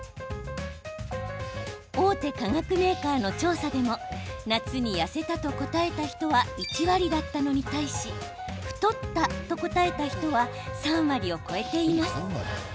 大手化学メーカーの調査でも夏に痩せたと答えた人は１割だったのに対し太ったと答えた人は３割を超えています。